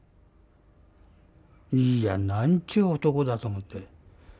いやなんちゅう男だと思って。